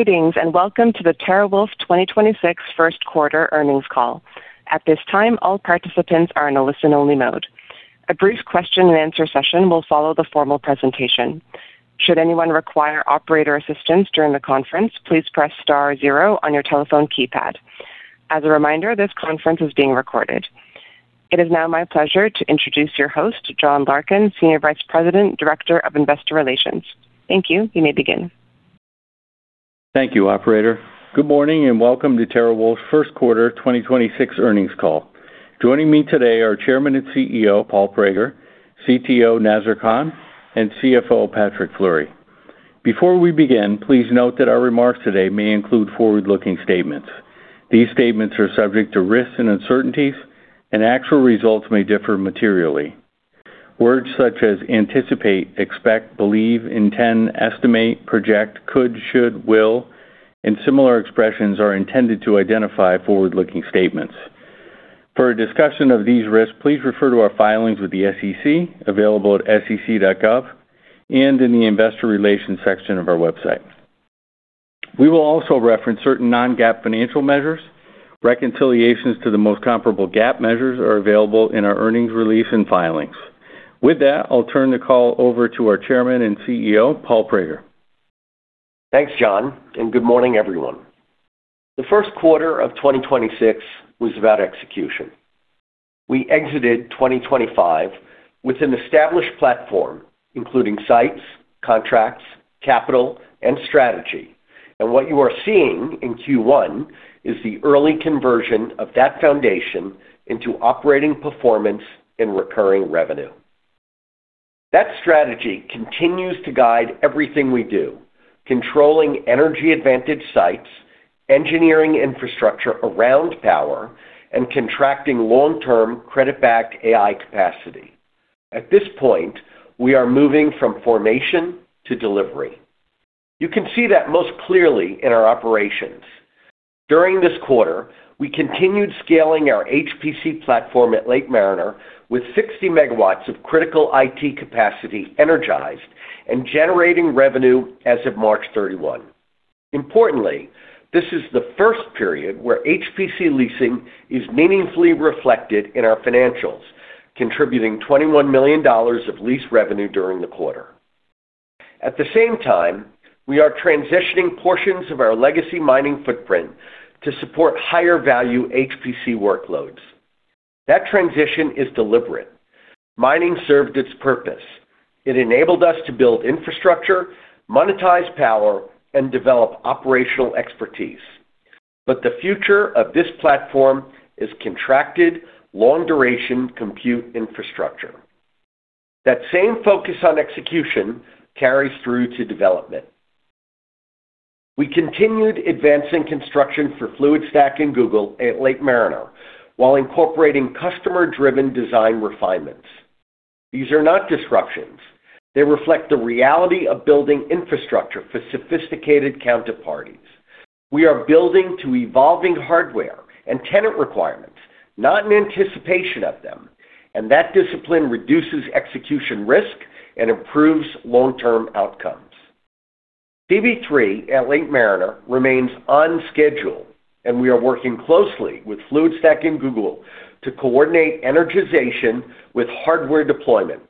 Greetings, and welcome to the TeraWulf 2026 first quarter earnings call. At this time, all participants are in a listen-only mode. A brief question and answer session will follow the formal presentation. Should anyone require operator assistance during the conference, please press star zero on your telephone keypad. As a reminder, this conference is being recorded. It is now my pleasure to introduce your host, John Larkin, Senior Vice President, Director of Investor Relations. Thank you. You may begin. Thank you, operator. Good morning, and welcome to TeraWulf 1st quarter 2026 earnings call. Joining me today are Chairman and CEO, Paul Prager, CTO, Nazar Khan, and CFO, Patrick Fleury. Before we begin, please note that our remarks today may include forward-looking statements. These statements are subject to risks and uncertainties, and actual results may differ materially. Words such as anticipate, expect, believe, intend, estimate, project, could, should, will, and similar expressions are intended to identify forward-looking statements. For a discussion of these risks, please refer to our filings with the SEC, available at sec.gov and in the investor relations section of our website. We will also reference certain non-GAAP financial measures. Reconciliations to the most comparable GAAP measures are available in our earnings release and filings. With that, I'll turn the call over to our Chairman and CEO, Paul Prager. Thanks, John. Good morning, everyone. The first quarter of 2026 was about execution. We exited 2025 with an established platform, including sites, contracts, capital, and strategy. What you are seeing in Q1 is the early conversion of that foundation into operating performance and recurring revenue. That strategy continues to guide everything we do, controlling energy-advantaged sites, engineering infrastructure around power, and contracting long-term credit-backed AI capacity. At this point, we are moving from formation to delivery. You can see that most clearly in our operations. During this quarter, we continued scaling our HPC platform at Lake Mariner with 60 megawatts of critical IT capacity energized and generating revenue as of March 31. Importantly, this is the first period where HPC leasing is meaningfully reflected in our financials, contributing $21 million of lease revenue during the quarter. At the same time, we are transitioning portions of our legacy mining footprint to support higher-value HPC workloads. That transition is deliberate. Mining served its purpose. It enabled us to build infrastructure, monetize power, and develop operational expertise. The future of this platform is contracted, long-duration compute infrastructure. That same focus on execution carries through to development. We continued advancing construction for Fluidstack and Google at Lake Mariner while incorporating customer-driven design refinements. These are not disruptions. They reflect the reality of building infrastructure for sophisticated counterparties. We are building to evolving hardware and tenant requirements, not in anticipation of them, and that discipline reduces execution risk and improves long-term outcomes. CB3 at Lake Mariner remains on schedule, and we are working closely with Fluidstack and Google to coordinate energization with hardware deployment.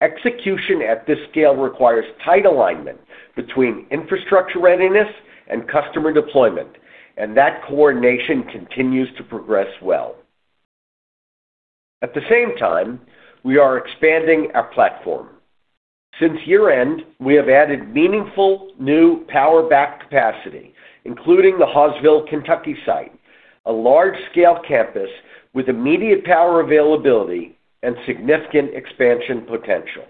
Execution at this scale requires tight alignment between infrastructure readiness and customer deployment, and that coordination continues to progress well. At the same time, we are expanding our platform. Since year-end, we have added meaningful new power-backed capacity, including the Hawesville, Kentucky site, a large-scale campus with immediate power availability and significant expansion potential.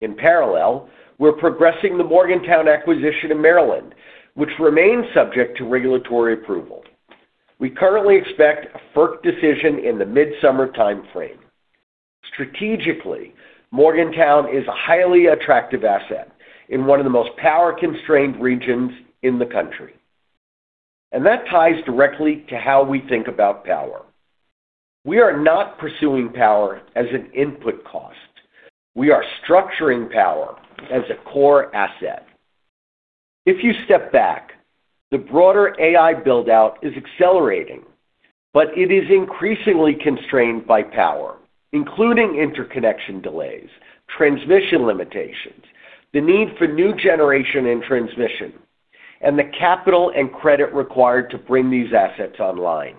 In parallel, we're progressing the Morgantown acquisition in Maryland, which remains subject to regulatory approval. We currently expect a FERC decision in the mid-summer timeframe. Strategically, Morgantown is a highly attractive asset in one of the most power-constrained regions in the country, and that ties directly to how we think about power. We are not pursuing power as an input cost. We are structuring power as a core asset. If you step back, the broader AI build-out is accelerating, but it is increasingly constrained by power, including interconnection delays, transmission limitations, the need for new generation and transmission, and the capital and credit required to bring these assets online.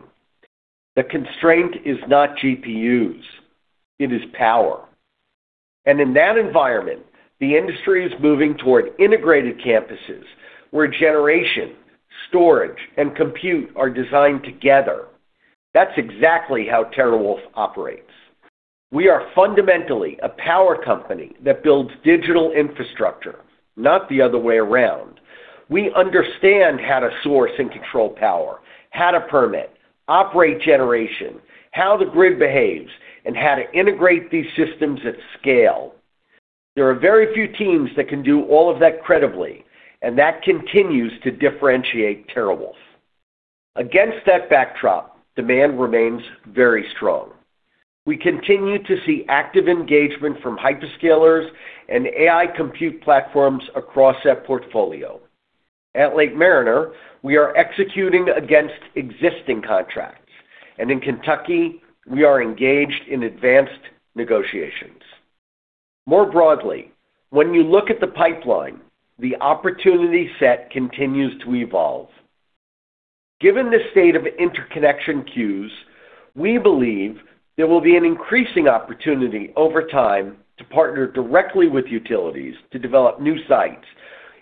The constraint is not GPUs, it is power. In that environment, the industry is moving toward integrated campuses where generation, storage, and compute are designed together. That's exactly how TeraWulf operates. We are fundamentally a power company that builds digital infrastructure, not the other way around. We understand how to source and control power, how to permit, operate generation, how the grid behaves, and how to integrate these systems at scale. There are very few teams that can do all of that credibly, and that continues to differentiate TeraWulf. Against that backdrop, demand remains very strong. We continue to see active engagement from hyperscalers and AI compute platforms across our portfolio. At Lake Mariner, we are executing against existing contracts, and in Kentucky, we are engaged in advanced negotiations. More broadly, when you look at the pipeline, the opportunity set continues to evolve. Given the state of interconnection queues, we believe there will be an increasing opportunity over time to partner directly with utilities to develop new sites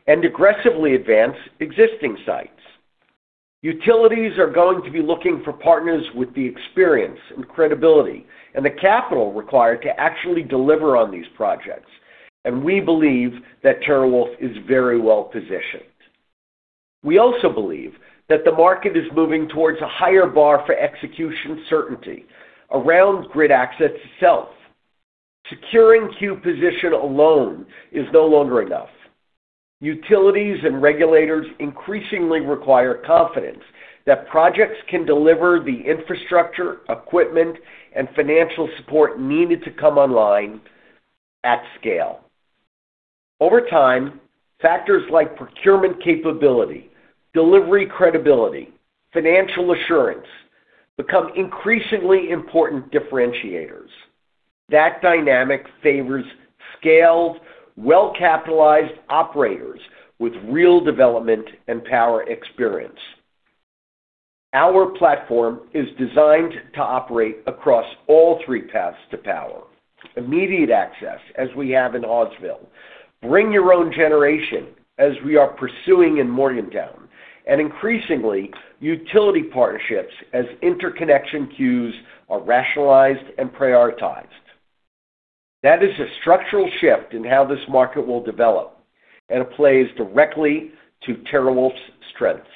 and aggressively advance existing sites. Utilities are going to be looking for partners with the experience and credibility and the capital required to actually deliver on these projects. We believe that TeraWulf is very well positioned. We also believe that the market is moving towards a higher bar for execution certainty around grid access itself. Securing queue position alone is no longer enough. Utilities and regulators increasingly require confidence that projects can deliver the infrastructure, equipment, and financial support needed to come online at scale. Over time, factors like procurement capability, delivery credibility, financial assurance become increasingly important differentiators. That dynamic favors scaled, well-capitalized operators with real development and power experience. Our platform is designed to operate across all three paths to power. Immediate access, as we have in Hawesville, bring your own generation, as we are pursuing in Morgantown, and increasingly, utility partnerships as interconnection queues are rationalized and prioritized. That is a structural shift in how this market will develop, and it plays directly to TeraWulf's strengths.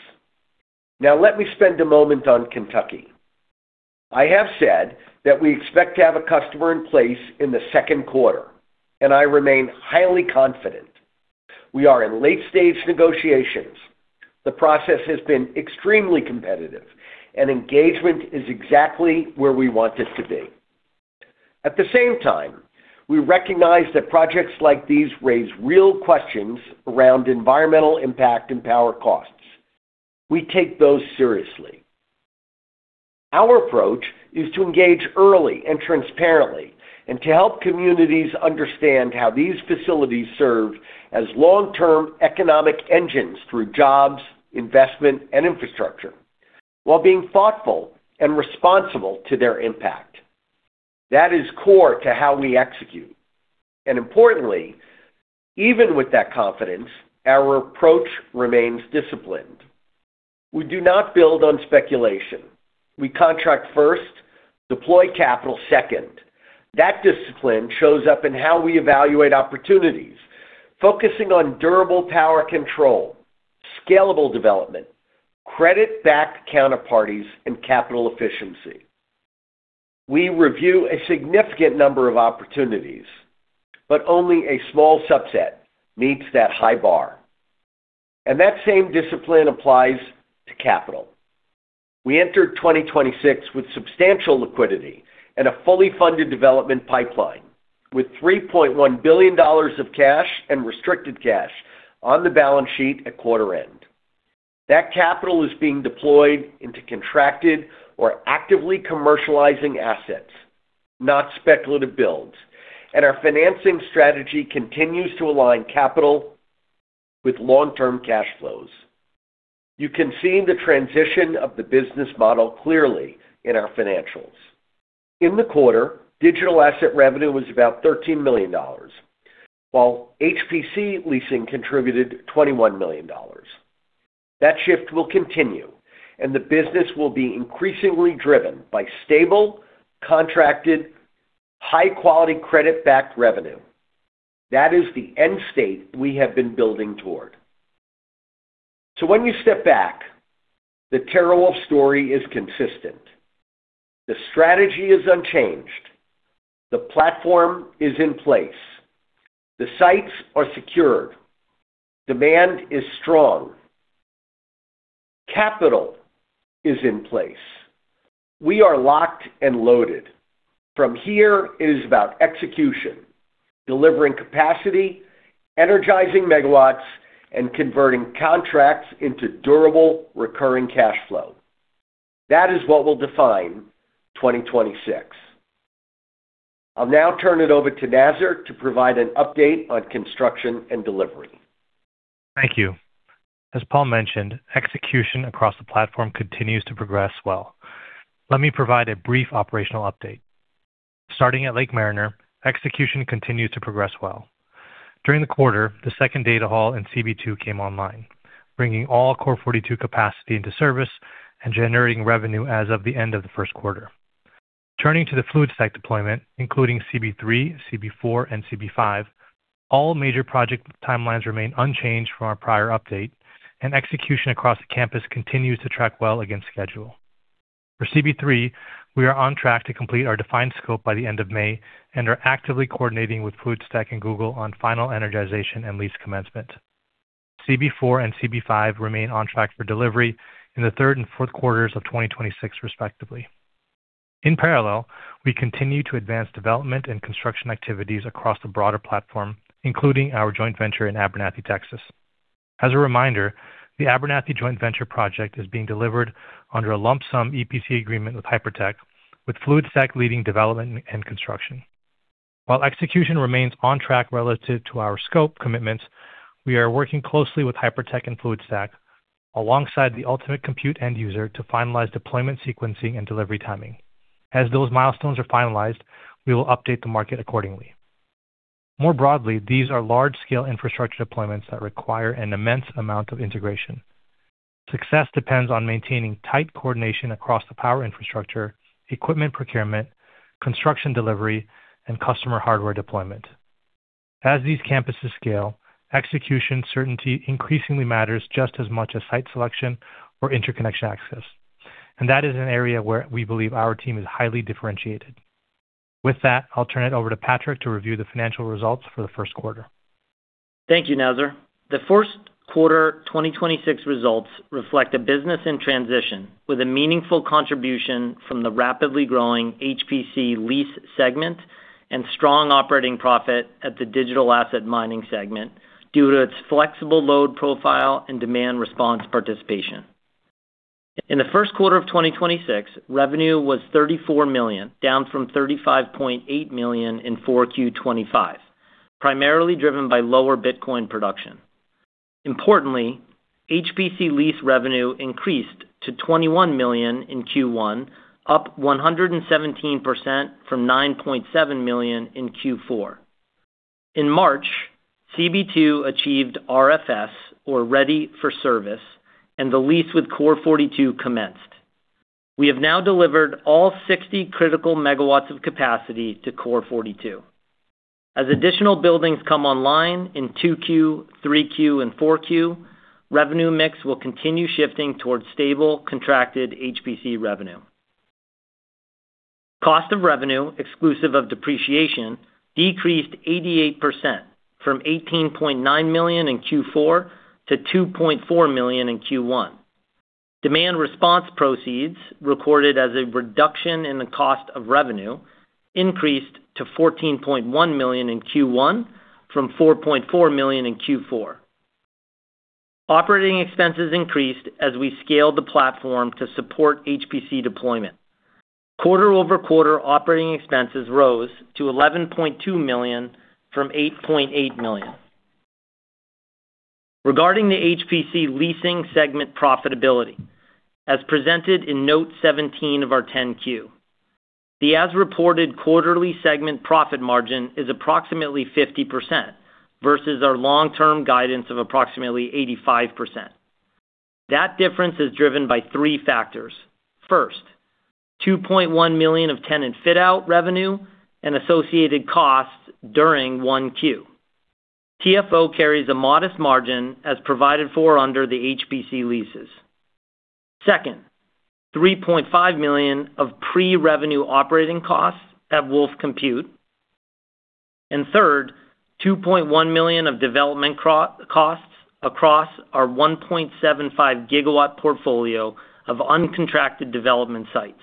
Let me spend a moment on Kentucky. I have said that we expect to have a customer in place in the second quarter, and I remain highly confident. We are in late-stage negotiations. The process has been extremely competitive, and engagement is exactly where we want it to be. At the same time, we recognize that projects like these raise real questions around environmental impact and power costs. We take those seriously. Our approach is to engage early and transparently, and to help communities understand how these facilities serve as long-term economic engines through jobs, investment, and infrastructure, while being thoughtful and responsible to their impact. That is core to how we execute. Importantly, even with that confidence, our approach remains disciplined. We do not build on speculation. We contract first, deploy capital second. That discipline shows up in how we evaluate opportunities, focusing on durable power control, scalable development, credit-backed counterparties, and capital efficiency. We review a significant number of opportunities, but only a small subset meets that high bar. That same discipline applies to capital. We entered 2026 with substantial liquidity and a fully funded development pipeline, with $3.1 billion of cash and restricted cash on the balance sheet at quarter end. That capital is being deployed into contracted or actively commercializing assets, not speculative builds. Our financing strategy continues to align capital with long-term cash flows. You can see the transition of the business model clearly in our financials. In the quarter, digital asset revenue was about $13 million, while HPC leasing contributed $21 million. That shift will continue, and the business will be increasingly driven by stable, contracted, high-quality credit-backed revenue. That is the end state we have been building toward. When you step back, the TeraWulf story is consistent. The strategy is unchanged. The platform is in place. The sites are secured. Demand is strong. Capital is in place. We are locked and loaded. From here, it is about execution, delivering capacity, energizing megawatts, and converting contracts into durable, recurring cash flow. That is what will define 2026. I'll now turn it over to Nazar to provide an update on construction and delivery. Thank you. As Paul mentioned, execution across the platform continues to progress well. Let me provide a brief operational update. Starting at Lake Mariner, execution continued to progress well. During the quarter, the second data hall in CB2 came online, bringing all Core42 capacity into service and generating revenue as of the end of the first quarter. Turning to the Fluidstack deployment, including CB3, CB4, and CB5, all major project timelines remain unchanged from our prior update, and execution across the campus continues to track well against schedule. For CB3, we are on track to complete our defined scope by the end of May and are actively coordinating with Fluidstack and Google on final energization and lease commencement. CB4 and CB5 remain on track for delivery in the third and fourth quarters of 2026, respectively. In parallel, we continue to advance development and construction activities across the broader platform, including our joint venture in Abernathy, Texas. As a reminder, the Abernathy Joint Venture project is being delivered under a lump-sum EPC agreement with Hypertec, with Fluidstack leading development and construction. While execution remains on track relative to our scope commitments, we are working closely with Hypertec and Fluidstack alongside the ultimate compute end user to finalize deployment, sequencing and delivery timing. As those milestones are finalized, we will update the market accordingly. More broadly, these are large-scale infrastructure deployments that require an immense amount of integration. Success depends on maintaining tight coordination across the power infrastructure, equipment procurement, construction delivery, and customer hardware deployment. As these campuses scale, execution certainty increasingly matters just as much as site selection or interconnection access. That is an area where we believe our team is highly differentiated. With that, I'll turn it over to Patrick to review the financial results for the first quarter. Thank you, Nazar. The first quarter 2026 results reflect a business in transition with a meaningful contribution from the rapidly growing HPC lease segment and strong operating profit at the digital asset mining segment due to its flexible load profile and demand response participation. In the first quarter of 2026, revenue was $34 million, down from $35.8 million in 4Q 2025, primarily driven by lower Bitcoin production. Importantly, HPC lease revenue increased to $21 million in Q1, up 117% from $9.7 million in Q4. In March, CB2 achieved RFS or ready for service, and the lease with Core42 commenced. We have now delivered all 60 critical MW of capacity to Core42. As additional buildings come online in 2Q, 3Q, and 4Q, revenue mix will continue shifting towards stable contracted HPC revenue. Cost of revenue exclusive of depreciation decreased 88% from $18.9 million in Q4 to $2.4 million in Q1. Demand response proceeds, recorded as a reduction in the cost of revenue, increased to $14.1 million in Q1 from $4.4 million in Q4. Operating expenses increased as we scaled the platform to support HPC deployment. Quarter-over-quarter operating expenses rose to $11.2 million from $8.8 million. Regarding the HPC leasing segment profitability, as presented in note 17 of our 10-Q, the as reported quarterly segment profit margin is approximately 50% versus our long term guidance of approximately 85%. That difference is driven by three factors. First, $2.1 million of tenant fit out revenue and associated costs during 1Q. TFO carries a modest margin as provided for under the HPC leases. Second, $3.5 million of pre-revenue operating costs at WULF Compute. Third, $2.1 million of development costs across our 1.75 gigawatt portfolio of uncontracted development sites.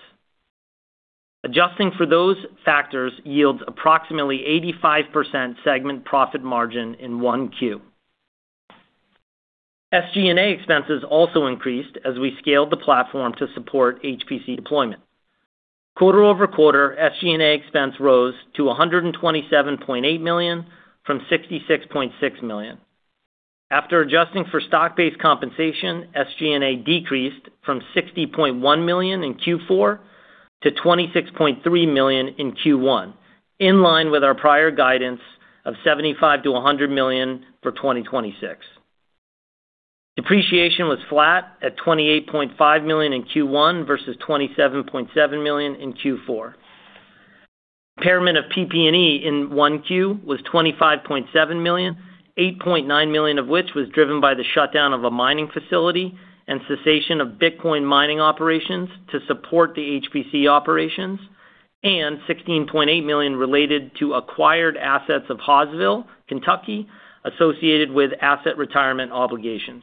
Adjusting for those factors yields approximately 85% segment profit margin in 1Q. SG&A expenses also increased as we scaled the platform to support HPC deployment. Quarter-over-quarter, SG&A expense rose to $127.8 million from $66.6 million. After adjusting for stock-based compensation, SG&A decreased from $60.1 million in Q4 to $26.3 million in Q1. In line with our prior guidance of $75 million-$100 million for 2026. Depreciation was flat at $28.5 million in Q1 versus $27.7 million in Q4. Impairment of PP&E in Q1 was $25.7 million, $8.9 million of which was driven by the shutdown of a mining facility and cessation of Bitcoin mining operations to support the HPC operations, and $16.8 million related to acquired assets of Hawesville, Kentucky, associated with asset retirement obligations.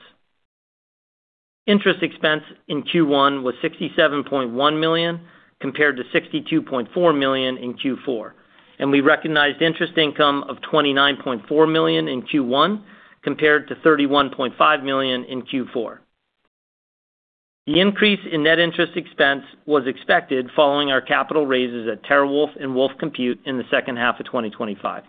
Interest expense in Q1 was $67.1 million, compared to $62.4 million in Q4, and we recognized interest income of $29.4 million in Q1 compared to $31.5 million in Q4. The increase in net interest expense was expected following our capital raises at TeraWulf and WULF Compute in the second half of 2025.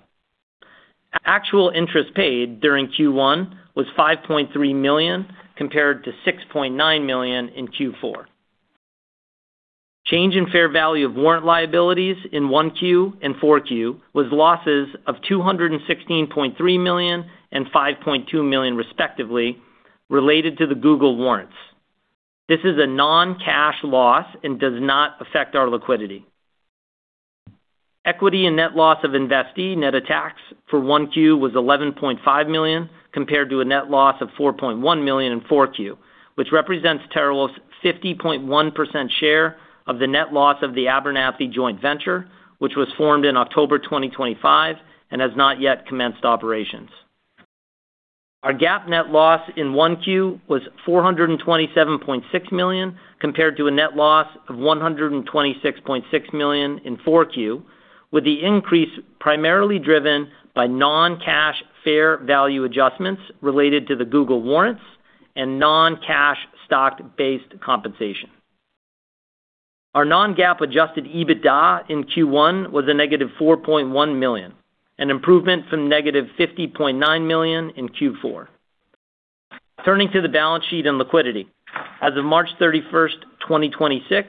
Actual interest paid during Q1 was $5.3 million, compared to $6.9 million in Q4. Change in fair value of warrant liabilities in 1Q and 4Q was losses of $216.3 million and $5.2 million, respectively, related to the Google warrants. This is a non-cash loss and does not affect our liquidity. Equity and net loss of investee net of tax for 1Q was $11.5 million compared to a net loss of $4.1 million in 4Q, which represents TeraWulf's 50.1% share of the net loss of the Abernathy Joint Venture, which was formed in October 2025 and has not yet commenced operations. Our GAAP net loss in 1Q was $427.6 million, compared to a net loss of $126.6 million in 4Q, with the increase primarily driven by non-cash fair value adjustments related to the Google warrants and non-cash stock-based compensation. Our non-GAAP adjusted EBITDA in Q1 was a negative $4.1 million, an improvement from negative $50.9 million in Q4. Turning to the balance sheet and liquidity. As of March 31, 2026,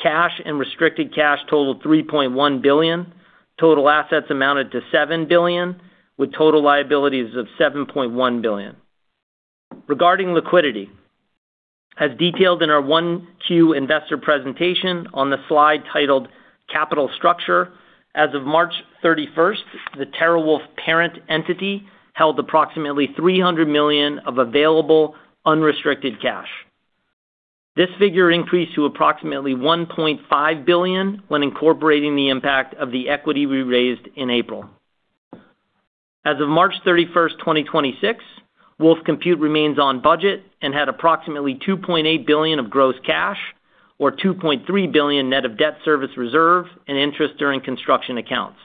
cash and restricted cash totaled $3.1 billion, total assets amounted to $7 billion, with total liabilities of $7.1 billion. Regarding liquidity, as detailed in our 1Q investor presentation on the slide titled Capital Structure, as of March 31, the TeraWulf parent entity held approximately $300 million of available unrestricted cash. This figure increased to approximately $1.5 billion when incorporating the impact of the equity we raised in April. As of March 31, 2026, WULF Compute remains on budget and had approximately $2.8 billion of gross cash or $2.3 billion net of debt service reserve and interest during construction accounts,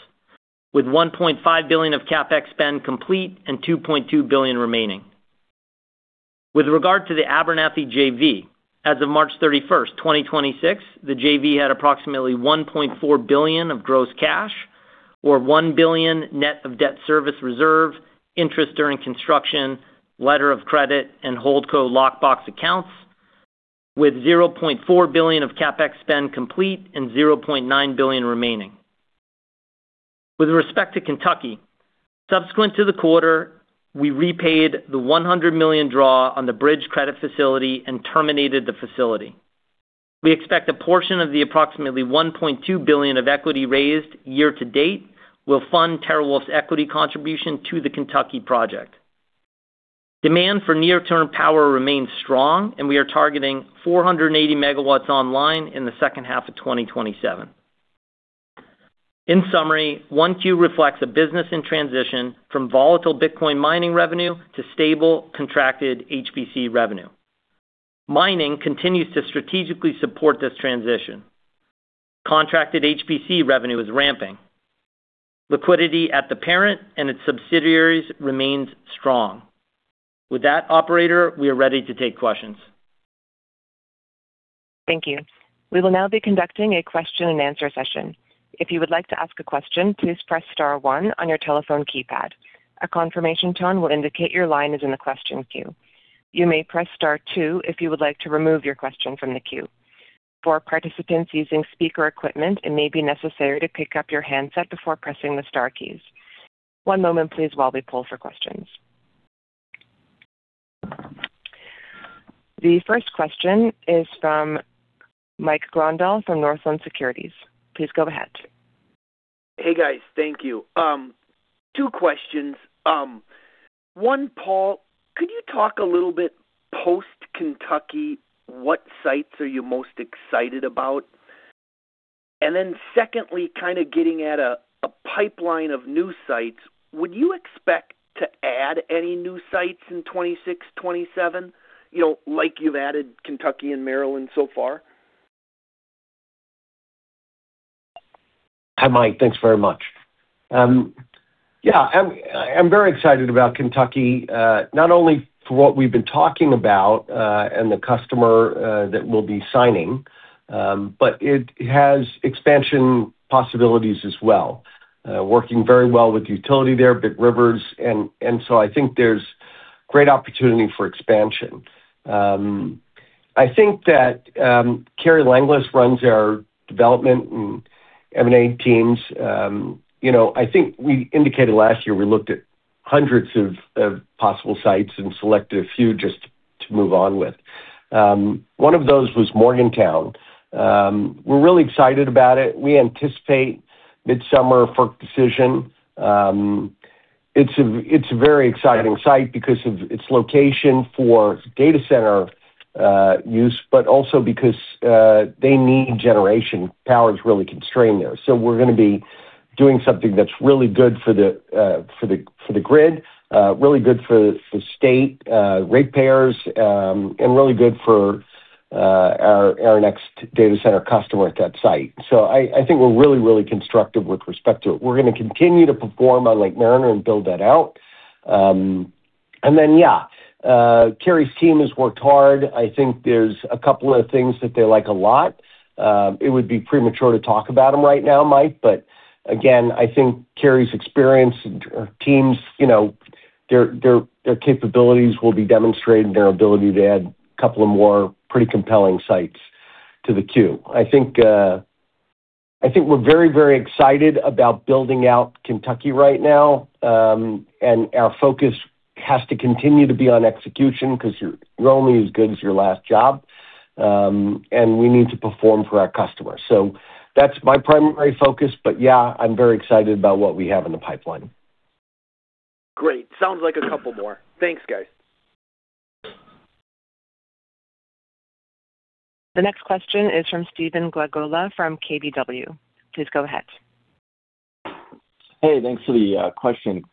with $1.5 billion of CapEx spend complete and $2.2 billion remaining. With regard to the Abernathy JV, as of March 31, 2026, the JV had approximately $1.4 billion of gross cash or $1 billion net of debt service reserve, interest during construction, letter of credit, and holdco lockbox accounts, with $0.4 billion of CapEx spend complete and $0.9 billion remaining. With respect to Kentucky, subsequent to the quarter, we repaid the $100 million draw on the bridge credit facility and terminated the facility. We expect a portion of the approximately $1.2 billion of equity raised year to date will fund TeraWulf's equity contribution to the Kentucky project. Demand for near-term power remains strong, and we are targeting 480 megawatts online in the second half of 2027. In summary, 1Q reflects a business in transition from volatile Bitcoin mining revenue to stable contracted HPC revenue. Mining continues to strategically support this transition. Contracted HPC revenue is ramping. Liquidity at the parent and its subsidiaries remains strong. With that, operator, we are ready to take questions. Thank you. We will now be conducting a question and answer section. If you will like to ask a question, please press star one on your telephone keypad. A confirmation tone will indicate your line is in the question queue. You may press star two if you may like to remove your question from the queue, for participants using speaker equipment and maybe necessary to pick up your handset before pressing the star keys. One moment please while we pulled for questions. The first question is from Michael Grondahl from Northland Securities. Please go ahead. Hey, guys. Thank you. Two questions. One, Paul, could you talk a little bit post Kentucky, what sites are you most excited about? Secondly, kind of getting at a pipeline of new sites, would you expect to add any new sites in 2026, 2027? You know, like you've added Kentucky and Maryland so far? Hi, Mike. Thanks very much. I'm very excited about Kentucky, not only for what we've been talking about, and the customer that we'll be signing, but it has expansion possibilities as well. Working very well with utility there, Big Rivers, I think there's great opportunity for expansion. I think that Kerri Langlais runs our development and M&A teams. You know, I think we indicated last year we looked at hundreds of possible sites and selected a few just to move on with. One of those was Morgantown. We're really excited about it. We anticipate midsummer for a decision. It's a very exciting site because of its location for data center use, but also because they need generation. Power is really constrained there. We're gonna be doing something that's really good for the grid, really good for state rate payers, and really good for our next data center customer at that site. I think we're really, really constructive with respect to it. We're gonna continue to perform on Lake Mariner and build that out. Yeah, Kerri's team has worked hard. I think there's a couple of things that they like a lot. It would be premature to talk about them right now, Mike. Again, I think Kerri's experience, her team's, you know, their capabilities will be demonstrated, and their ability to add a couple of more pretty compelling sites to the queue. I think we're very, very excited about building out Kentucky right now, and our focus has to continue to be on execution 'cause you're only as good as your last job. We need to perform for our customers. That's my primary focus, but yeah, I'm very excited about what we have in the pipeline. Great. Sounds like a couple more. Thanks, guys. The next question is from Stephen Glagola from KBW. Please go ahead. Hey, thanks for the question.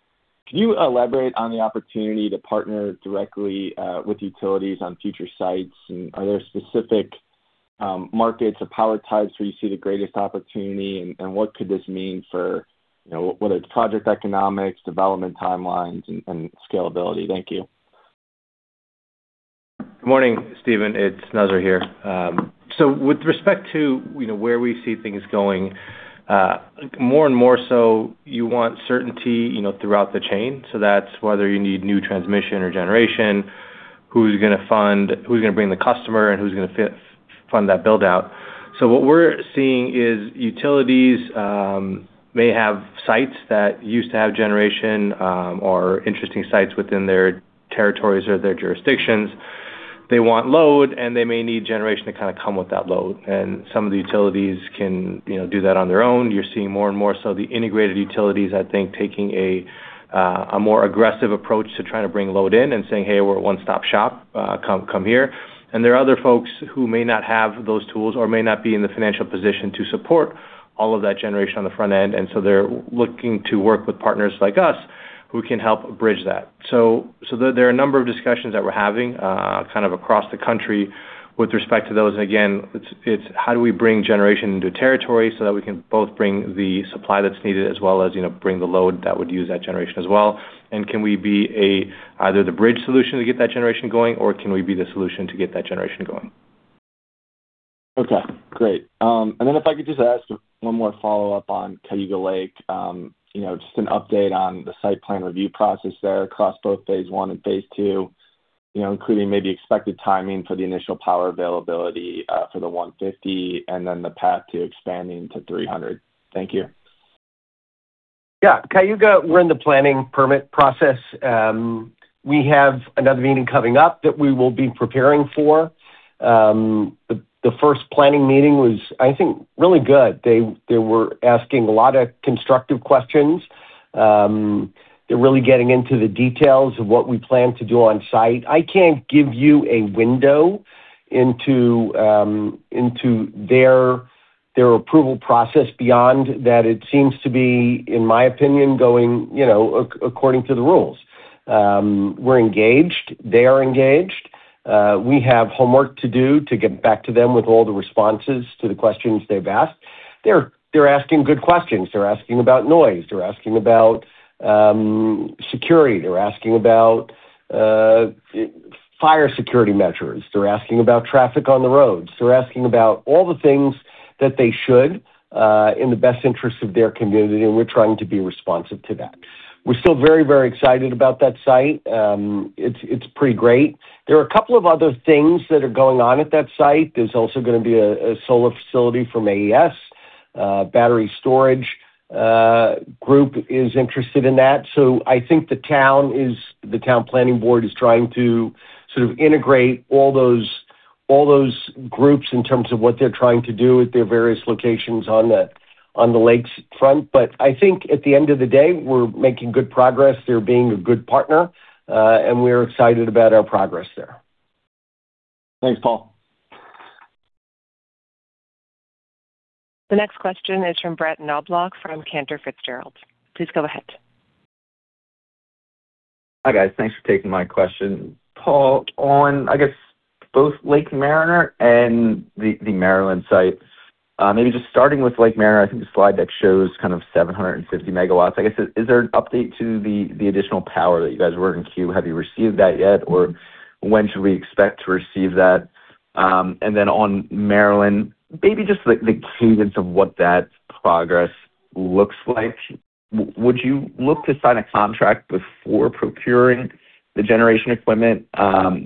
Can you elaborate on the opportunity to partner directly with utilities on future sites? Are there specific markets or power types where you see the greatest opportunity? What could this mean for, you know, whether it's project economics, development timelines, and scalability? Thank you. Good morning, Stephen. It's Nazar here. With respect to, you know, where we see things going, more and more you want certainty, you know, throughout the chain, that's whether you need new transmission or generation, who's gonna bring the customer, and who's gonna fund that build-out. What we're seeing is utilities may have sites that used to have generation or interesting sites within their territories or their jurisdictions. They want load, and they may need generation to kind of come with that load. Some of the utilities can, you know, do that on their own. You're seeing more and more so the integrated utilities, I think, taking a more aggressive approach to trying to bring load in and saying, "Hey, we're a one-stop shop. Come here. There are other folks who may not have those tools or may not be in the financial position to support all of that generation on the front end. They're looking to work with partners like us who can help bridge that. There are a number of discussions that we're having across the country with respect to those. Again, it's how do we bring generation into territory so that we can both bring the supply that's needed as well as, you know, bring the load that would use that generation as well. Can we be either the bridge solution to get that generation going or can we be the solution to get that generation going? Okay. Great. If I could just ask one more follow-up on Cayuga Lake. You know, just an update on the site plan review process there across both phase one and phase 2, you know, including maybe expected timing for the initial power availability for the 150 and then the path to expanding to 300. Thank you. Yeah. Cayuga, we're in the planning permit process. We have another meeting coming up that we will be preparing for. The first planning meeting was, I think, really good. They were asking a lot of constructive questions. They're really getting into the details of what we plan to do on site. I can't give you a window into into their approval process. Beyond that, it seems to be, in my opinion, going, you know, according to the rules. We're engaged. They are engaged. We have homework to do to get back to them with all the responses to the questions they've asked. They're asking good questions. They're asking about noise. They're asking about security. They're asking about fire security measures. They're asking about traffic on the roads. They're asking about all the things that they should, in the best interest of their community, and we're trying to be responsive to that. We're still very, very excited about that site. It's pretty great. There are a couple of other things that are going on at that site. There's also gonna be a solar facility from AES. A battery storage group is interested in that. I think the town planning board is trying to sort of integrate all those groups in terms of what they're trying to do at their various locations on the lakefront. I think at the end of the day, we're making good progress. They're being a good partner, and we're excited about our progress there. Thanks, Paul. The next question is from Brett Knoblauch from Cantor Fitzgerald. Please go ahead. Hi, guys. Thanks for taking my question. Paul, on, I guess, both Lake Mariner and the Maryland site, maybe just starting with Lake Mariner, I think the slide deck shows kind of 750 MW. I guess, is there an update to the additional power that you guys were in queue? Have you received that yet, or when should we expect to receive that? On Maryland, maybe just the cadence of what that progress looks like. Would you look to sign a contract before procuring the generation equipment?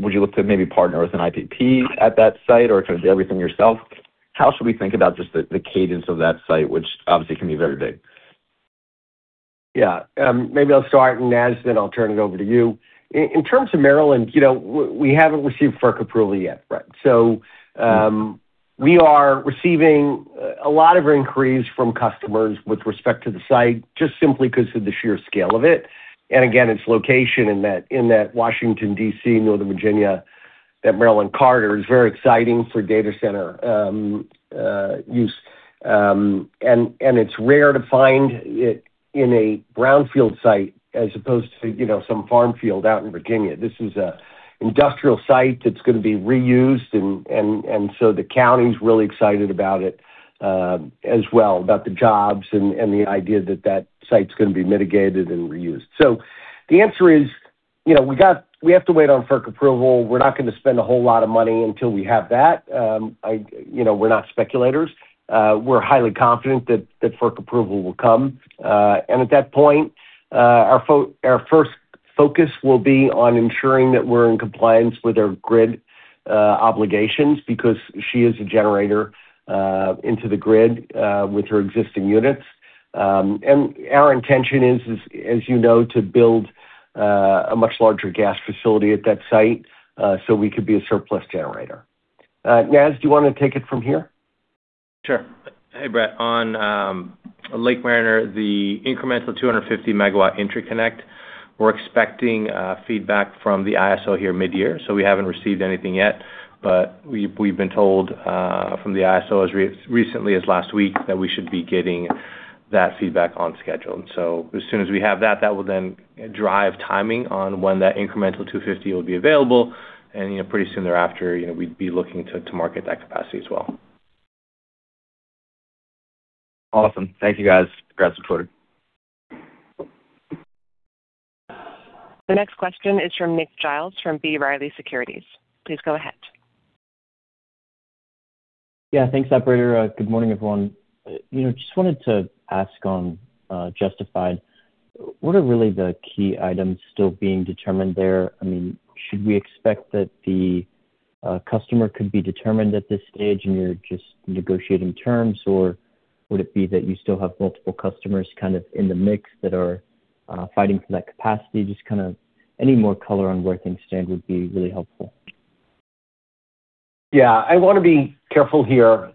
Would you look to maybe partner with an IPP at that site or kind of do everything yourself? How should we think about just the cadence of that site, which obviously can be very big? Yeah. Maybe I'll start, and Naz, then I'll turn it over to you. In terms of Maryland, you know, we haven't received FERC approval yet, Brett. We are receiving a lot of inquiries from customers with respect to the site, just simply because of the sheer scale of it, and again, its location in that, in that Washington, D.C., Northern Virginia, that Maryland corridor is very exciting for data center use. It's rare to find it in a brownfield site as opposed to, you know, some farm field out in Virginia. This is an industrial site that's gonna be reused and so the county's really excited about it as well, about the jobs and the idea that that site's gonna be mitigated and reused. The answer is, you know, we have to wait on FERC approval. We're not gonna spend a whole lot of money until we have that. You know, we're not speculators. We're highly confident that FERC approval will come. And at that point, our first focus will be on ensuring that we're in compliance with our grid obligations because she is a generator into the grid with her existing units. And our intention is, as you know, to build a much larger gas facility at that site, so we could be a surplus generator. Nazar, do you wanna take it from here? Sure. Hey, Brett. On Lake Mariner, the incremental 250 MW interconnect, we're expecting feedback from the ISO here midyear. We haven't received anything yet, but we've been told from the ISO as recently as last week that we should be getting that feedback on schedule. As soon as we have that will then drive timing on when that incremental 250 will be available, and, you know, pretty soon thereafter, you know, we'd be looking to market that capacity as well. Awesome. Thank you, guys. Grab some food. The next question is from Nicholas Giles from B. Riley Securities. Please go ahead. Yeah. Thanks, operator. Good morning, everyone. You know, just wanted to ask on Justified. What are really the key items still being determined there? I mean, should we expect that the customer could be determined at this stage, and you're just negotiating terms, or would it be that you still have multiple customers kind of in the mix that are fighting for that capacity? Just kinda any more color on where things stand would be really helpful. Yeah. I wanna be careful here.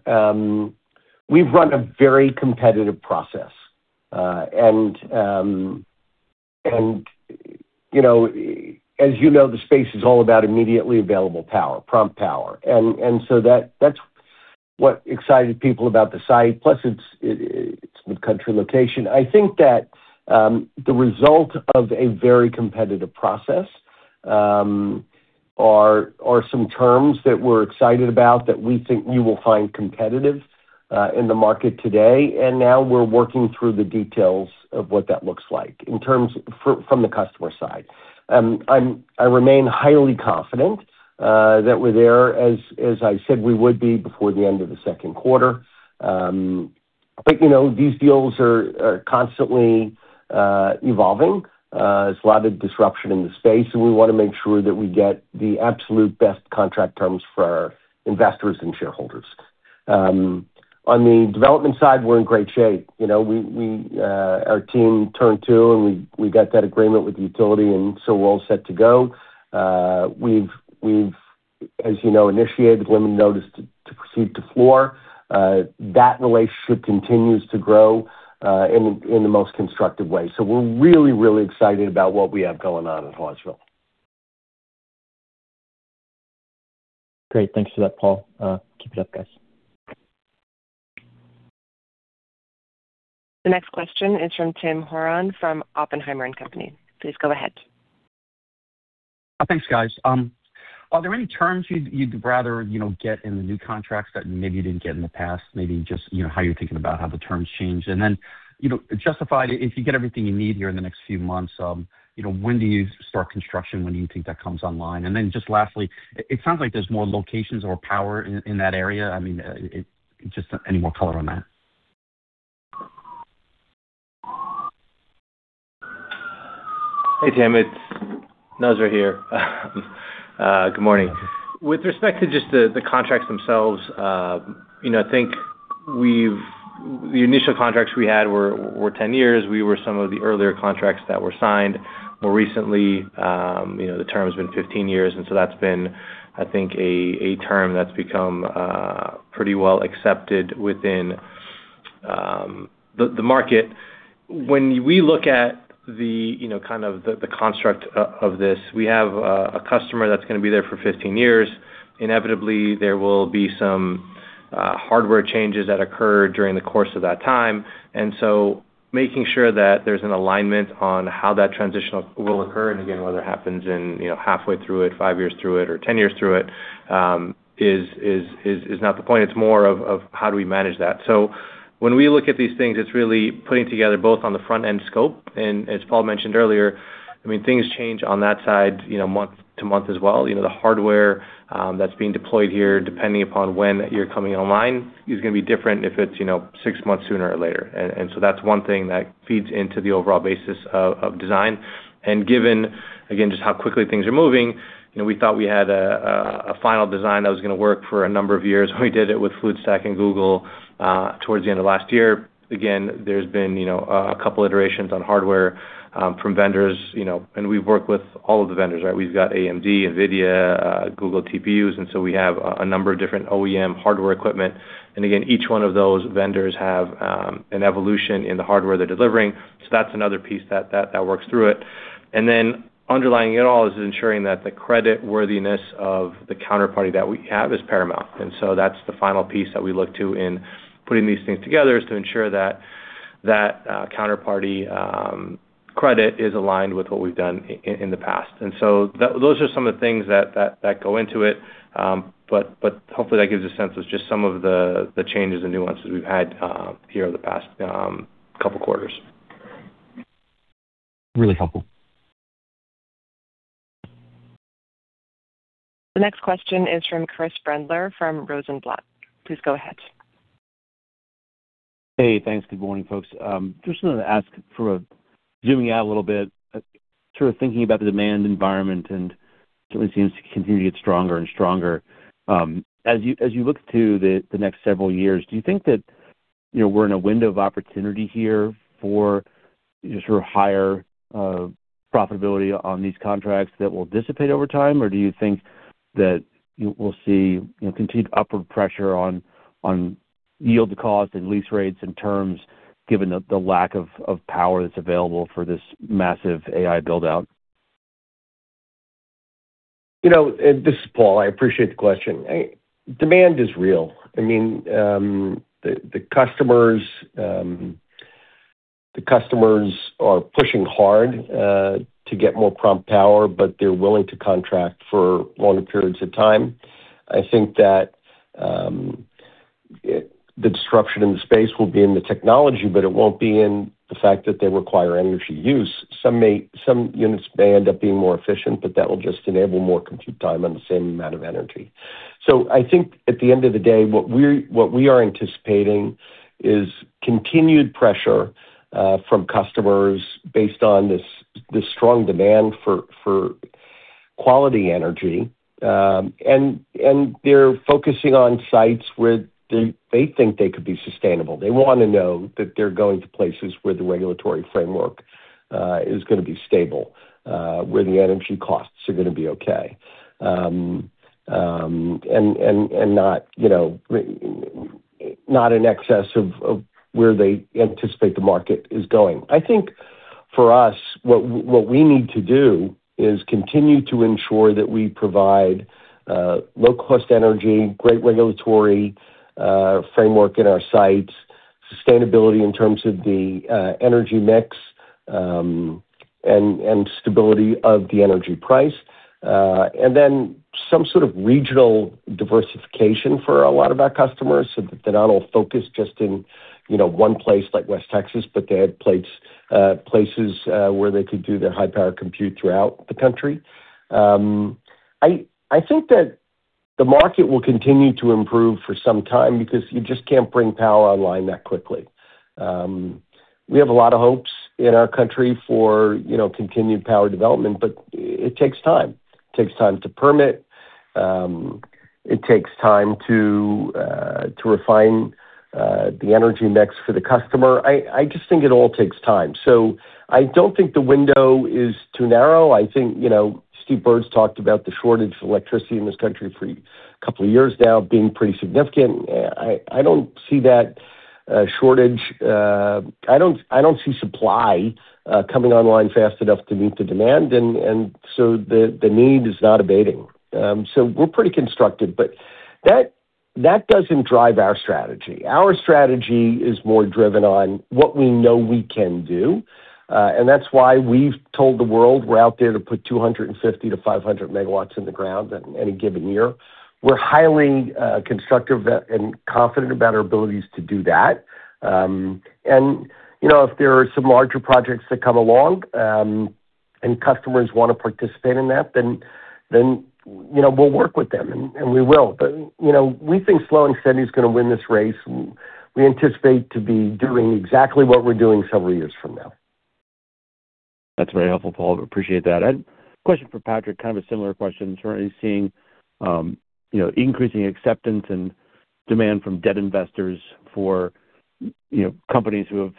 We've run a very competitive process. You know, as you know, the space is all about immediately available power, prompt power. That's what excited people about the site. Plus it's mid-country location. I think that the result of a very competitive process are some terms that we're excited about that we think you will find competitive in the market today. Now we're working through the details of what that looks like from the customer side. I remain highly confident that we're there as I said we would be before the end of the second quarter. You know, these deals are constantly evolving. There's a lot of disruption in the space, and we wanna make sure that we get the absolute best contract terms for our investors and shareholders. On the development side, we're in great shape. You know, we, our team turned two, and we got that agreement with utility. We're all set to go. We've, as you know, initiated limited notice to proceed to floor. That relationship continues to grow in the most constructive way. We're really, really excited about what we have going on in Hawesville. Great. Thanks for that, Paul. Keep it up, guys. The next question is from Tim Horan from Oppenheimer & Co. Please go ahead. Thanks, guys. Are there any terms you'd rather, you know, get in the new contracts that maybe you didn't get in the past? Maybe just, you know, how you're thinking about how the terms change. You know, Justified, if you get everything you need here in the next few months, you know, when do you start construction? When do you think that comes online? Just lastly, it sounds like there's more locations or power in that area. I mean, just any more color on that. Hey, Tim, it's Nazar here. Good morning. With respect to just the contracts themselves, you know, I think the initial contracts we had were 10 years. We were some of the earlier contracts that were signed. More recently, you know, the term has been 15 years, that's been, I think, a term that's become pretty well accepted within the market. When we look at the, you know, kind of the construct of this, we have a customer that's gonna be there for 15 years. Inevitably, there will be some hardware changes that occur during the course of that time. Making sure that there's an alignment on how that transitional will occur, and again, whether it happens in, you know, halfway through it, five years through it, or 10 years through it, is not the point. It's more of how do we manage that. When we look at these things, it's really putting together both on the front-end scope. As Paul mentioned earlier, I mean, things change on that side, you know, month to month as well. You know, the hardware that's being deployed here, depending upon when you're coming online, is gonna be different if it's, you know, 6 months sooner or later. That's one thing that feeds into the overall basis of design. Given, again, just how quickly things are moving, you know, we thought we had a final design that was gonna work for a number of years. We did it with Fluidstack and Google towards the end of last year. Again, there's been, you know, a couple iterations on hardware from vendors, you know. We've worked with all of the vendors, right? We've got AMD, NVIDIA, Google TPUs, and so we have a number of different OEM hardware equipment. Again, each one of those vendors have an evolution in the hardware they're delivering. That's another piece that works through it. Underlying it all is ensuring that the credit worthiness of the counterparty that we have is paramount. That's the final piece that we look to in putting these things together, is to ensure that that counterparty credit is aligned with what we've done in the past. Those are some of the things that go into it. But hopefully that gives a sense of just some of the changes and nuances we've had here over the past couple quarters. Really helpful. The next question is from Chris Brendler from Rosenblatt. Please go ahead. Hey, thanks. Good morning, folks. Just wanted to ask for a zooming out a little bit, sort of thinking about the demand environment, and certainly seems to continue to get stronger and stronger. As you look to the next several years, do you think that, you know, we're in a window of opportunity here for just sort of higher profitability on these contracts that will dissipate over time? Or do you think that we'll see, you know, continued upward pressure on yield to cost and lease rates and terms given the lack of power that's available for this massive AI build-out? You know, this is Paul. I appreciate the question. Demand is real. I mean, the customers, the customers are pushing hard to get more prompt power, but they're willing to contract for longer periods of time. I think that the disruption in the space will be in the technology, but it won't be in the fact that they require energy use. Some units may end up being more efficient, but that will just enable more compute time on the same amount of energy. I think at the end of the day, what we are anticipating is continued pressure from customers based on this strong demand for quality energy. And they're focusing on sites where they think they could be sustainable. They wanna know that they're going to places where the regulatory framework is gonna be stable, where the energy costs are gonna be okay. Not, you know, not in excess of where they anticipate the market is going. I think for us, what we need to do is continue to ensure that we provide low-cost energy, great regulatory framework at our sites, sustainability in terms of the energy mix, and stability of the energy price. Some sort of regional diversification for a lot of our customers so that they're not all focused just in, you know, one place like West Texas, but they have places where they could do their high-power compute throughout the country. I think that the market will continue to improve for some time because you just can't bring power online that quickly. We have a lot of hopes in our country for, you know, continued power development, but it takes time. It takes time to permit. It takes time to refine the energy mix for the customer. I just think it all takes time. I don't think the window is too narrow. I think, you know, Stephen Byrd's talked about the shortage of electricity in this country for a couple of years now being pretty significant. I don't see that shortage. I don't see supply coming online fast enough to meet the demand and so the need is not abating. We're pretty constructive, but that doesn't drive our strategy. Our strategy is more driven on what we know we can do. That's why we've told the world we're out there to put 250 to 500 MW in the ground at any given year. We're highly constructive and confident about our abilities to do that. You know, if there are some larger projects that come along, and customers wanna participate in that, then, you know, we'll work with them and we will. You know, we think slow and steady is gonna win this race. We anticipate to be doing exactly what we're doing several years from now. That's very helpful, Paul. Appreciate that. Question for Patrick, kind of a similar question. Certainly seeing, you know, increasing acceptance and demand from debt investors for, you know, companies who have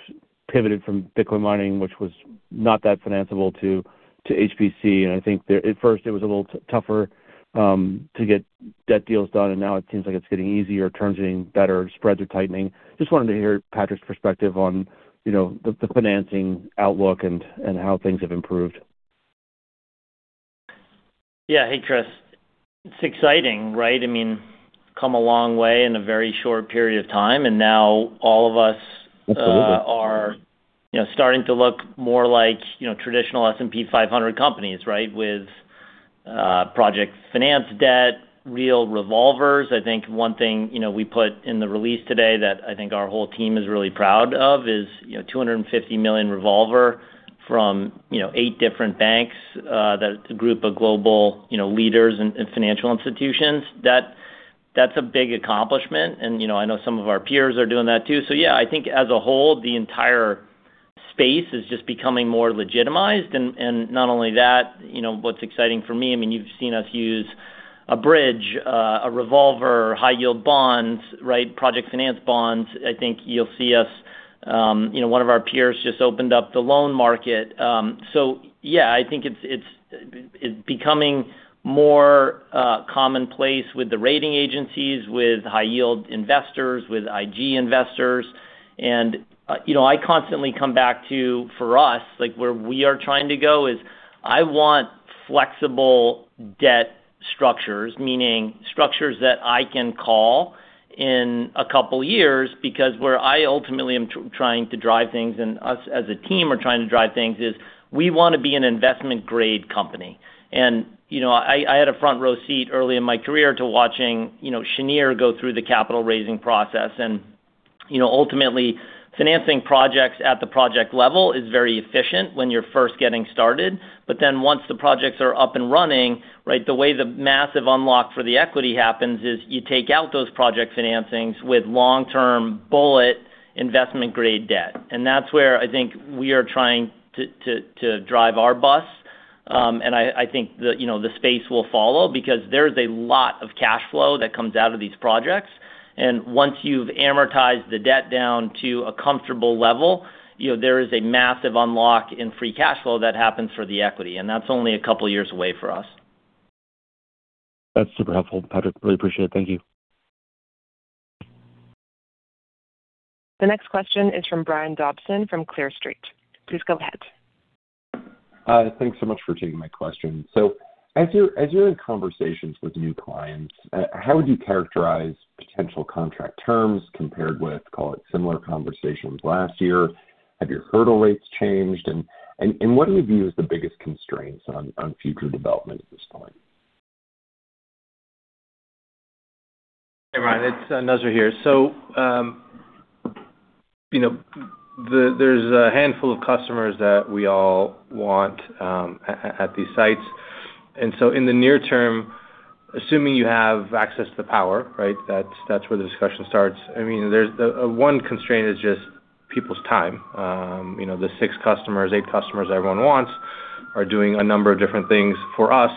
pivoted from Bitcoin mining, which was not that financiable to HPC. I think at first it was a little tougher to get debt deals done, now it seems like it's getting easier, terms are getting better, spreads are tightening. Just wanted to hear Patrick's perspective on, you know, the financing outlook and how things have improved. Yeah. Hey, Chris. It's exciting, right? I mean, come a long way in a very short period of time, and now all of us. Absolutely Are, you know, starting to look more like, you know, traditional S&P 500 companies, right? With project finance debt, real revolvers. I think one thing, you know, we put in the release today that I think our whole team is really proud of is, you know, $250 million revolver from, you know, 8 different banks that a group of global, you know, leaders and financial institutions. That's a big accomplishment. I know some of our peers are doing that too. Yeah, I think as a whole, the entire space is just becoming more legitimized. Not only that, you know, what's exciting for me, I mean, you've seen us use a bridge, a revolver, high yield bonds, right? Project finance bonds. I think you'll see us, you know, one of our peers just opened up the loan market. Yeah, I think it's, it's becoming more commonplace with the rating agencies, with high yield investors, with IG investors. You know, I constantly come back to, for us, like, where we are trying to go is I want flexible debt structures, meaning structures that I can call in a couple years because where I ultimately am trying to drive things and us as a team are trying to drive things is we wanna be an investment grade company. You know, I had a front row seat early in my career to watching, you know, Cheniere go through the capital raising process. You know, ultimately, financing projects at the project level is very efficient when you're first getting started. Once the projects are up and running, right, the way the massive unlock for the equity happens is you take out those project financings with long-term bullet investment grade debt. That's where I think we are trying to drive our bus. I think the, you know, the space will follow because there is a lot of cash flow that comes out of these projects. Once you've amortized the debt down to a comfortable level, you know, there is a massive unlock in free cash flow that happens for the equity, and that's only a couple years away for us. That's super helpful, Patrick. Really appreciate it. Thank you. The next question is from Brian Dobson from Clear Street. Please go ahead. Thanks so much for taking my question. As you're in conversations with new clients, how would you characterize potential contract terms compared with, call it, similar conversations last year? Have your hurdle rates changed? What do we view as the biggest constraints on future development at this point? Hey, Brian, it's Nazar here. You know, there's a handful of customers that we all want at these sites. In the near term, assuming you have access to power, right? That's where the discussion starts. I mean, one constraint is just people's time. You know, the six customers, eight customers everyone wants are doing a number of different things. For us,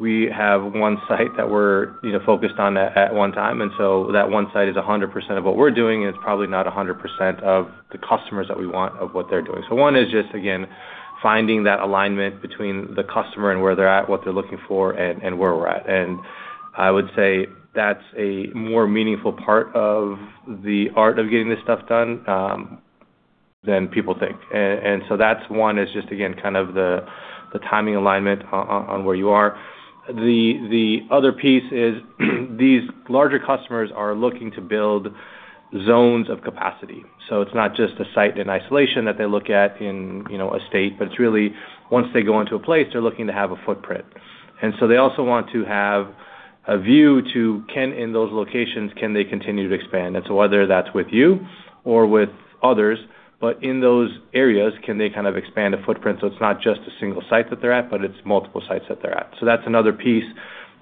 we have one site that we're, you know, focused on at one time, that one site is 100% of what we're doing, and it's probably not 100% of the customers that we want of what they're doing. One is just, again, finding that alignment between the customer and where they're at, what they're looking for, and where we're at. I would say that's a more meaningful part of the art of getting this stuff done than people think. That's one is just again, kind of the timing alignment on where you are. The other piece is these larger customers are looking to build zones of capacity. It's not just a site in isolation that they look at in, you know, a state, but it's really once they go into a place, they're looking to have a footprint. They also want to have a view to in those locations, can they continue to expand? Whether that's with you or with others, but in those areas, can they kind of expand a footprint so it's not just a single site that they're at, but it's multiple sites that they're at. That's another piece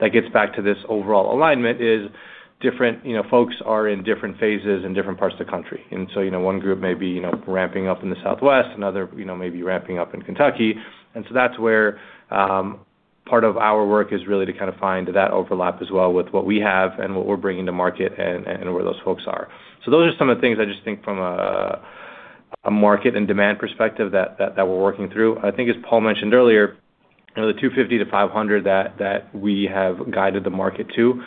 that gets back to this overall alignment, is different, you know, folks are in different phases in different parts of the country. You know, one group may be, you know, ramping up in the Southwest, another, you know, may be ramping up in Kentucky. That's where part of our work is really to kind of find that overlap as well with what we have and what we're bringing to market and where those folks are. Those are some of the things I just think from a market and demand perspective that we're working through. I think as Paul mentioned earlier, you know, the 250 to 500 that we have guided the market to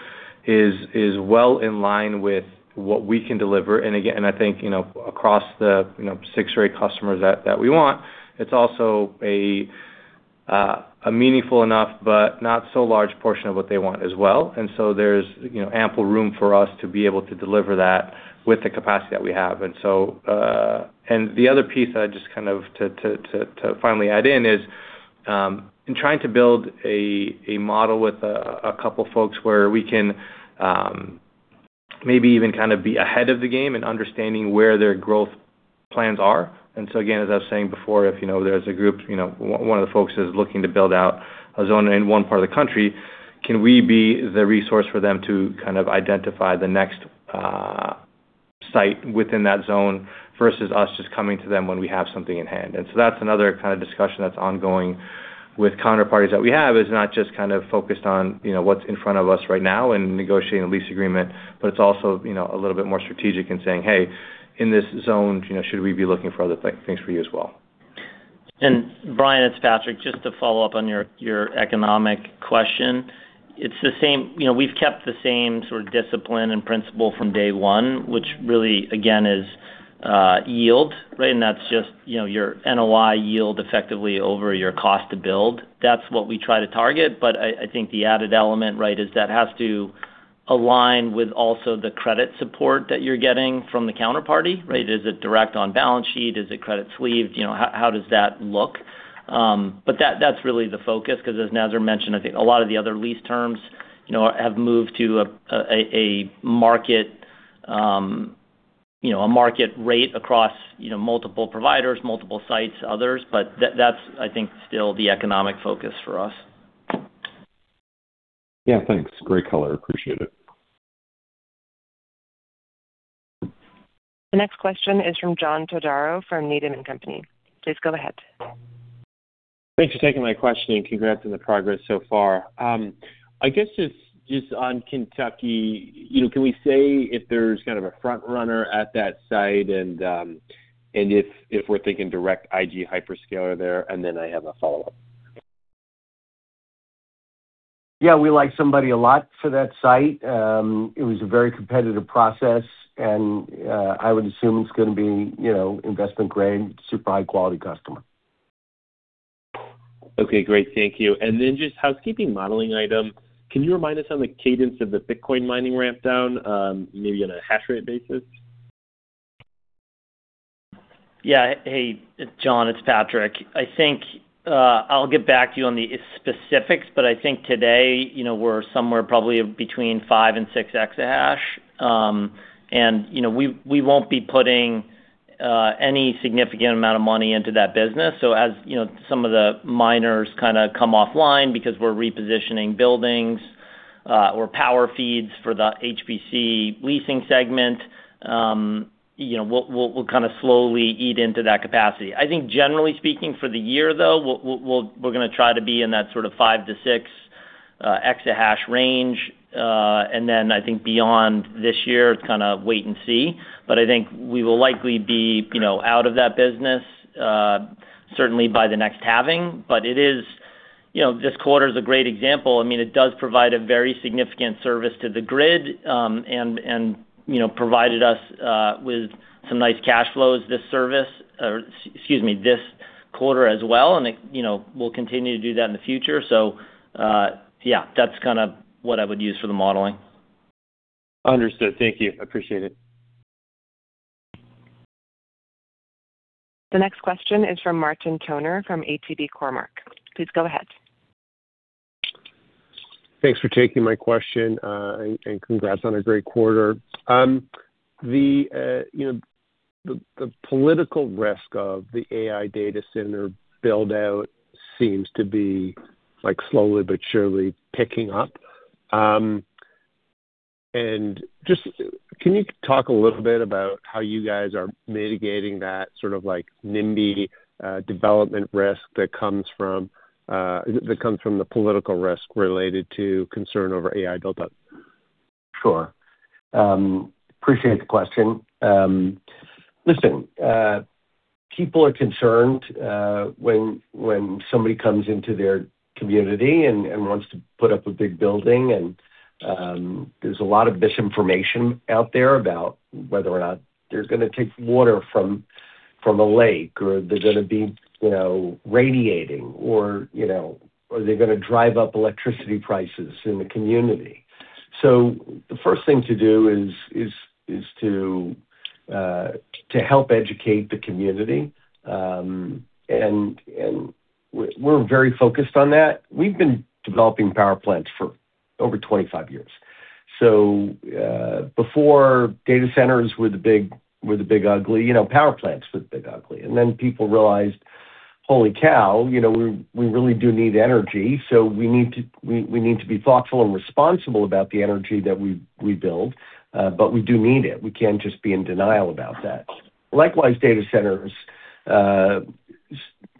is well in line with what we can deliver. I think, you know, across the, you know, six or eight customers that we want, it's also a meaningful enough but not so large portion of what they want as well. There's, you know, ample room for us to be able to deliver that with the capacity that we have. The other piece I'd just kind of to finally add in is, in trying to build a model with a couple folks where we can, maybe even kind of be ahead of the game in understanding where their growth plans are. Again, as I was saying before, if you know there's a group, you know, one of the folks is looking to build out a zone in one part of the country, can we be the resource for them to kind of identify the next site within that zone versus us just coming to them when we have something in hand? That's another kind of discussion that's ongoing with counterparties that we have, is not just kind of focused on, you know, what's in front of us right now and negotiating a lease agreement, but it's also, you know, a little bit more strategic in saying, "Hey, in this zone, you know, should we be looking for other things for you as well? Brian, it's Patrick. Just to follow up on your economic question. It's the same, you know, we've kept the same sort of discipline and principle from day one, which really again, is yield, right? That's just, you know, your NOI yield effectively over your cost to build. That's what we try to target. I think the added element, right, is that has to align with also the credit support that you're getting from the counterparty, right? Is it direct on balance sheet? Is it credit sleeved? You know, how does that look? That's really the focus 'cause as Nazar mentioned, I think a lot of the other lease terms, you know, have moved to a market, you know, a market rate across, you know, multiple providers, multiple sites, others. That's, I think, still the economic focus for us. Yeah, thanks. Great color. Appreciate it. The next question is from John Todaro from Needham & Company. Please go ahead. Thanks for taking my question. Congrats on the progress so far. I guess just on Kentucky, you know, can we say if there's kind of a front runner at that site and if we're thinking direct IG hyperscaler there? Then I have a follow-up. Yeah, we like somebody a lot for that site. It was a very competitive process and I would assume it's gonna be, you know, investment grade, super high quality customer. Okay, great. Thank you. Just housekeeping modeling item. Can you remind us on the cadence of the Bitcoin mining ramp down, maybe on a hash rate basis? Yeah. Hey, John, it's Patrick. I think I'll get back to you on the specifics, but I think today, you know, we're somewhere probably between five and six exahash. You know, we won't be putting any significant amount of money into that business. As, you know, some of the miners kind of come offline because we're repositioning buildings or power feeds for the HPC leasing segment, you know, will kind of slowly eat into that capacity. I think generally speaking, for the year though, we're gonna try to be in that sort of five-six exahash range. I think beyond this year, it's kinda wait and see. I think we will likely be, you know, out of that business, certainly by the next halving. It is, you know, this quarter's a great example. I mean, it does provide a very significant service to the grid, and, you know, provided us with some nice cash flows this service or, excuse me, this quarter as well. It, you know, we'll continue to do that in the future. Yeah, that's kind of what I would use for the modeling. Understood. Thank you. Appreciate it. The next question is from Martin Toner from ATB Capital Markets. Please go ahead. Thanks for taking my question, and congrats on a great quarter. The, you know, the political risk of the AI data center build-out seems to be, like, slowly but surely picking up. Just can you talk a little bit about how you guys are mitigating that sort of like NIMBY development risk that comes from, that comes from the political risk related to concern over AI build-up? Sure. Appreciate the question. Listen, people are concerned when somebody comes into their community and wants to put up a big building. There's a lot of misinformation out there about whether or not they're gonna take water from a lake, or they're gonna be, you know, radiating or, you know, are they gonna drive up electricity prices in the community. The first thing to do is to help educate the community. And we're very focused on that. We've been developing power plants for over 25 years. Before data centers were the big ugly, you know, power plants were the big ugly. People realized, holy cow, you know, we really do need energy, so we need to be thoughtful and responsible about the energy that we build. We do need it. We can't just be in denial about that. Likewise, data centers,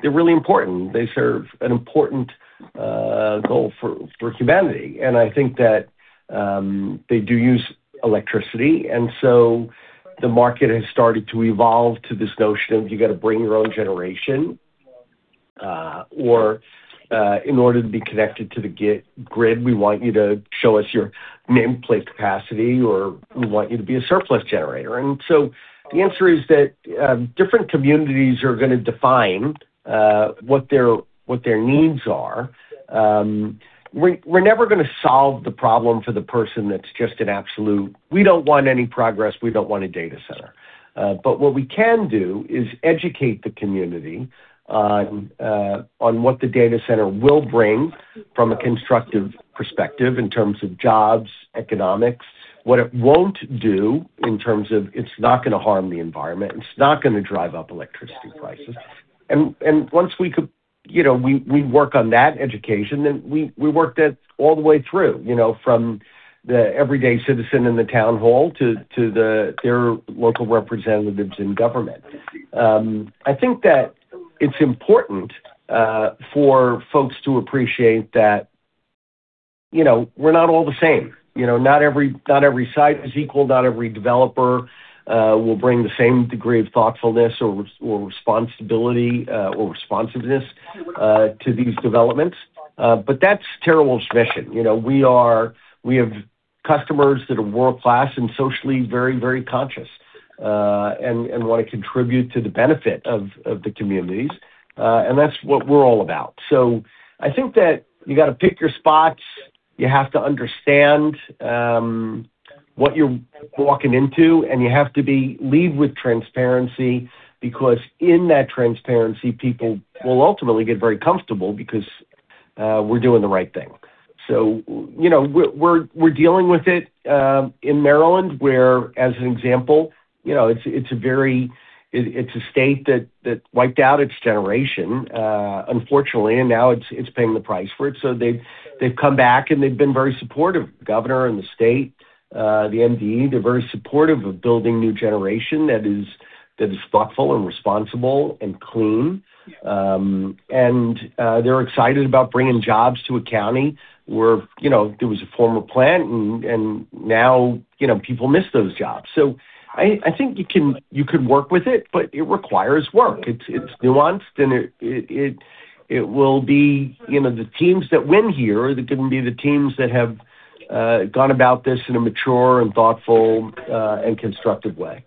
they're really important. They serve an important goal for humanity. I think that they do use electricity, and so the market has started to evolve to this notion of you gotta bring your own generation. Or, in order to be connected to the grid, we want you to show us your nameplate capacity, or we want you to be a surplus generator. The answer is that different communities are gonna define what their needs are. We're never gonna solve the problem for the person that's just an absolute, "We don't want any progress. We don't want a data center." What we can do is educate the community on what the data center will bring from a constructive perspective in terms of jobs, economics. What it won't do in terms of it's not gonna harm the environment, it's not gonna drive up electricity prices. Once we could, you know, we work on that education, then we worked it all the way through, you know, from the everyday citizen in the town hall to their local representatives in government. I think that it's important for folks to appreciate that, you know, we're not all the same. You know, not every site is equal. Not every developer will bring the same degree of thoughtfulness or responsibility or responsiveness to these developments. That's TeraWulf's mission. You know, we have customers that are world-class and socially very conscious and wanna contribute to the benefit of the communities. That's what we're all about. I think that you gotta pick your spots. You have to understand what you're walking into, you have to lead with transparency, because in that transparency, people will ultimately get very comfortable because we're doing the right thing. You know, we're dealing with it in Maryland, where, as an example, you know, it's a state that wiped out its generation unfortunately, now it's paying the price for it. They've come back, and they've been very supportive. Governor and the state, the MDE, they're very supportive of building new generation that is thoughtful and responsible and clean. They're excited about bringing jobs to a county where, you know, there was a former plant and now, you know, people miss those jobs. I think you could work with it, but it requires work. It's nuanced, and it will be, you know, the teams that win here are gonna be the teams that have gone about this in a mature and thoughtful and constructive way.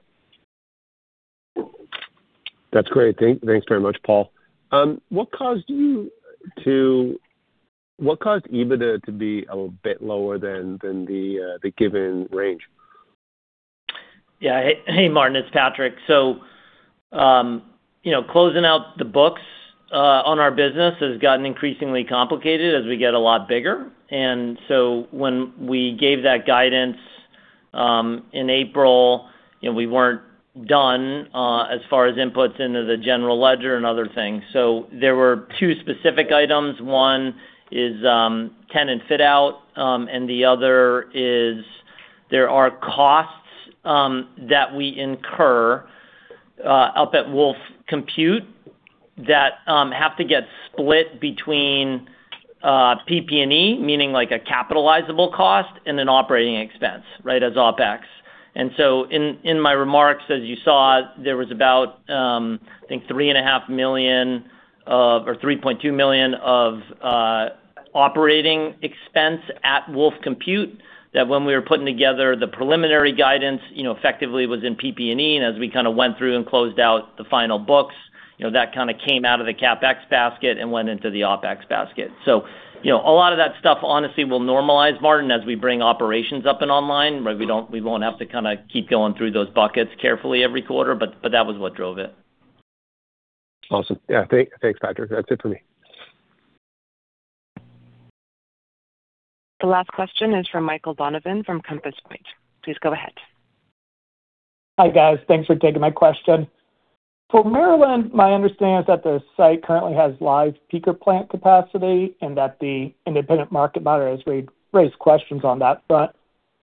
That's great. Thanks very much, Paul. What caused EBITDA to be a little bit lower than the given range? Yeah. Hey, Martin, it's Patrick. You know, closing out the books on our business has gotten increasingly complicated as we get a lot bigger. When we gave that guidance. In April, you know, we weren't done as far as inputs into the general ledger and other things. There were two specific items. One is tenant fit-out, and the other is there are costs that we incur up at WULF Compute that have to get split between PP&E, meaning like a capitalizable cost, and an operating expense, right, as OpEx. In my remarks, as you saw, there was about, I think $3.5 million or $3.2 million of operating expense at WULF Compute that when we were putting together the preliminary guidance, you know, effectively was in PP&E. As we kinda went through and closed out the final books, you know, that kinda came out of the CapEx basket and went into the OpEx basket. You know, a lot of that stuff honestly will normalize, Martin, as we bring operations up and online, right? We won't have to kinda keep going through those buckets carefully every quarter, but that was what drove it. Awesome. Yeah. Thanks, Patrick. That's it for me. The last question is from Michael Donovan from Compass Point. Please go ahead. Hi, guys. Thanks for taking my question. For Maryland, my understanding is that the site currently has live peaker plant capacity and that the independent market monitor has raised questions on that.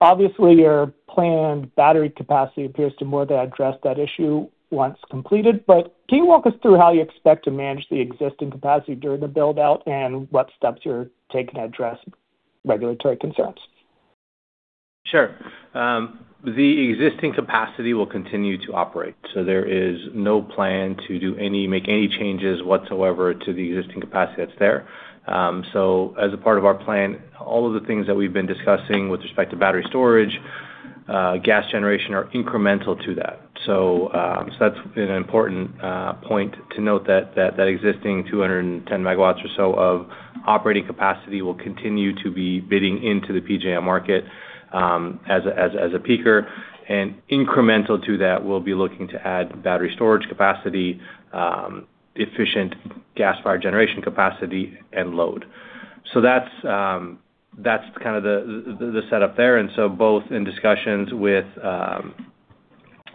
Obviously your planned battery capacity appears to more than address that issue once completed. Can you walk us through how you expect to manage the existing capacity during the build-out and what steps you're taking to address regulatory concerns? Sure. The existing capacity will continue to operate, so there is no plan to make any changes whatsoever to the existing capacity that's there. As a part of our plan, all of the things that we've been discussing with respect to battery storage, gas generation are incremental to that. That's an important point to note that existing 210 MW or so of operating capacity will continue to be bidding into the PJM market as a peaker. And incremental to that, we'll be looking to add battery storage capacity, efficient gas-fired generation capacity and load. That's kind of the setup there. Both in discussions with,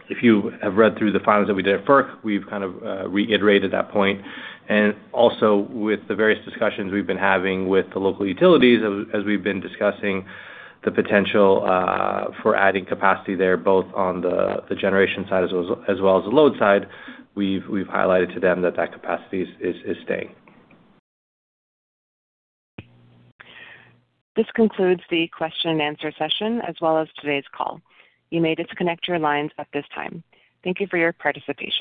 if you have read through the filings that we did at FERC, we've kind of reiterated that point and also with the various discussions we've been having with the local utilities as we've been discussing the potential for adding capacity there, both on the generation side as well as the load side. We've highlighted to them that capacity is staying. This concludes the question and answer session, as well as today's call. You may disconnect your lines at this time. Thank you for your participation.